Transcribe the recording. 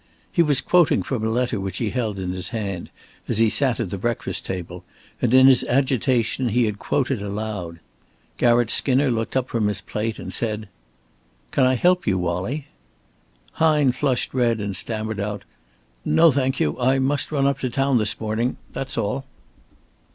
He was quoting from a letter which he held in his hand, as he sat at the breakfast table, and, in his agitation, he had quoted aloud. Garratt Skinner looked up from his plate and said: "Can I help you, Wallie?" Hine flushed red and stammered out: "No, thank you. I must run up to town this morning that's all."